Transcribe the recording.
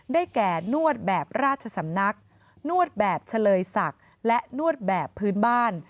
แก่นวดแบบราชสำนักนวดแบบเฉลยศักดิ์และนวดแบบพื้นบ้าน